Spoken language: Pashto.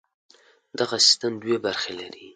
دغه سیستم دوې برخې لري.